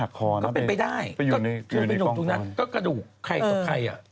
ก็กระดูกใครกับใคร